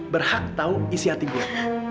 berhak tau isi hati gua